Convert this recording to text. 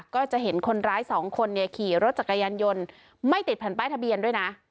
ก็จะเห็นคนร้ายสองคนเนี่ยขี่รถจักรยานยนต์ไม่ติดแผ่นป้ายทะเบียนด้วยนะ